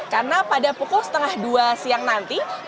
karena pada pukul setengah dua siang hari ini